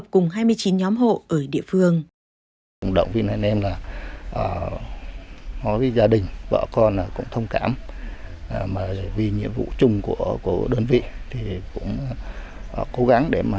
cùng hai mươi chín nhóm hộ ở địa phương